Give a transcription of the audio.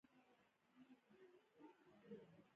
تاسو د ټولنیز منزلت څخه بې برخې کیږئ.